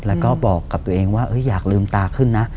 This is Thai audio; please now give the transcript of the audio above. แล้วก็บอกกับตัวเองว่าอยากลืมตาขึ้นนะ